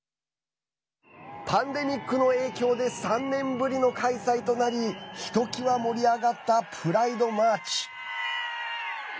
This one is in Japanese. パンデミックの影響で３年ぶりの開催となりひときわ盛り上がったプライドマーチ。